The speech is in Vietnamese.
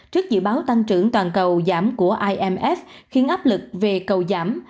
trước dự báo tăng trưởng toàn cầu giảm của imf khiến áp lực về cầu giảm